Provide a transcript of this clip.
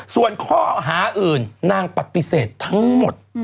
ส่วนข้อหาอื่นนางปฏิเสธทั้งหมด